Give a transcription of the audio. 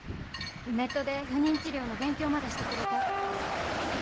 ネットで不妊治療の勉強までしてくれたって。